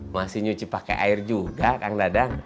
masih nyuci pakai air juga kang dadang